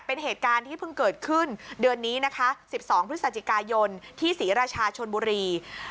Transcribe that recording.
เป็นเหตุการณ์ที่เพิ่งเกิดขึ้นเดือนนี้นะคะ๑๒พฤศจิกายนที่ศรีราชาชนบุรี